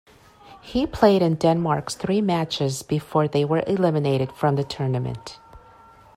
He played in Denmark's three matches, before they were eliminated from the tournament.